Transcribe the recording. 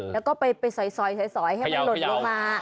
แล้วก็ไปสอยให้มันหล่นลงมา